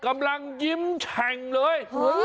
กำลังยิ้มแฉ่งเลย